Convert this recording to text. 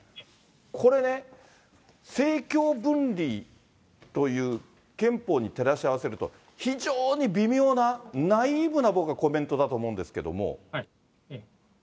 これね、政教分離という憲法に照らし合わせると、非常に微妙な、ナイーブな、僕はコメントだと思うんですけれども。